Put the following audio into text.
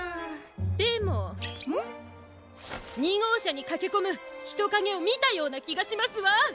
でも２ごうしゃにかけこむひとかげをみたようなきがしますわ！